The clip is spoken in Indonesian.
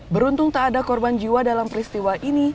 beruntung tak ada korban jiwa dalam peristiwa ini